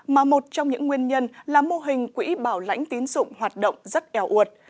mà một trong những nguyên nhân là mô hình quỹ bảo lãnh tín dụng hoạt động rất eo uột